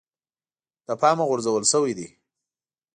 د پامه غورځول شوی دی.